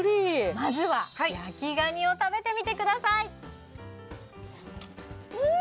まずは焼きガニを食べてみてくださいうん！